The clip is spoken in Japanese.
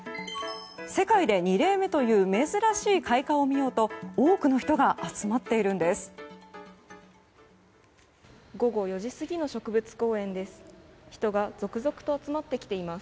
世界で２例目という珍しい開花を見ようと多くの人が集まっているんです。